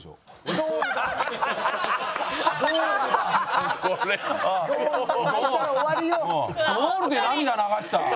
ドールで涙流した？